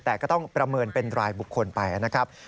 แต่ก็ต้องประเมินเป็นรายบุคคลไปนะครับ